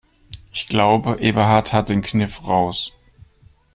Ich glaube, Eberhard hat den Kniff raus.